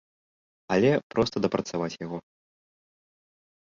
Але проста дапрацаваць яго.